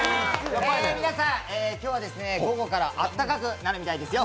皆さん、今日は午後から暖かくなるみたいですよ。